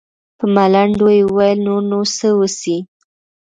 په ملنډو يې وويل نور نو څه وسي.